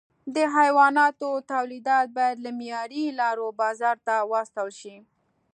د حیواناتو تولیدات باید له معیاري لارو بازار ته واستول شي.